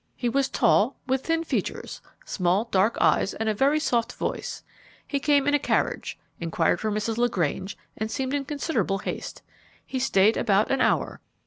He was tall, with thin features, small, dark eyes, and a very soft voice. He came in a carriage, inquired for Mrs. LaGrange, and seemed in considerable haste. He stayed about an hour.